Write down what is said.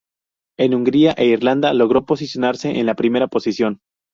En Hungría e Irlanda, logró posicionarse en la primera posición.